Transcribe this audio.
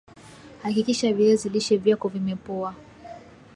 hakikisha viazi lishe vyako vimepoa